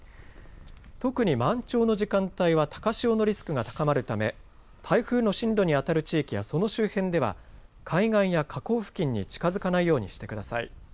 特に満潮の時間帯は高潮のリスクが高まるため、台風の進路にあたる地域やその周辺では海岸や河口付近に近づかないようにしてください。